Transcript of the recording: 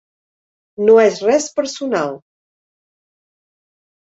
No és res personal.